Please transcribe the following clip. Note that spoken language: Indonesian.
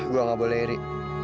gua nggak boleh eri